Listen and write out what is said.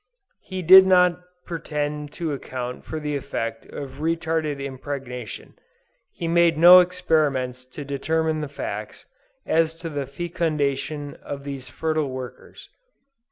He did not pretend to account for the effect of retarded impregnation; and made no experiments to determine the facts, as to the fecundation of these fertile workers.